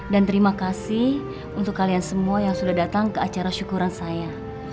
dan terima kasih untuk kalian semua yang sudah datang ke acara syukuran saya